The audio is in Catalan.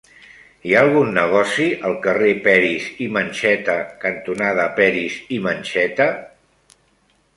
Hi ha algun negoci al carrer Peris i Mencheta cantonada Peris i Mencheta?